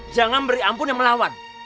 jangan beri ampun yang melawan